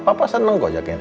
papa senang kok jagain reina